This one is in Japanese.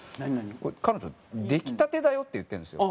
これ彼女「できたてだよ」って言ってるんですよ。